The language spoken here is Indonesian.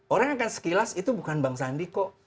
orang akan sekilas itu bukan bang sandi kok